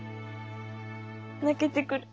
泣けてくる。